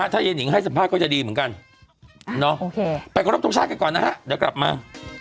ถ้ายายนิงให้สัมภาษณ์ก็จะดีเหมือนกันเนาะโอเคไปขอรบทรงชาติกันก่อนนะฮะเดี๋ยวกลับมา